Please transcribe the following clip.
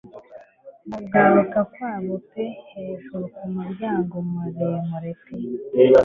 Mugaruka kwabo pe hejuru kumurongo muremure pe